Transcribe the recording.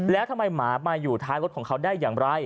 แล้วทำไมหมามาอยู่ท้ายรถของเขาได้อย่างไร